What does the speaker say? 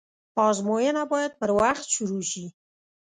آزموينه بايد پر وخت شروع سي.